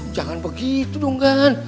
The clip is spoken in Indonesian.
jangan begitu dong kan